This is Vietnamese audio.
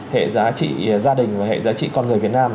hệ giá trị gia đình và hệ giá trị con người việt nam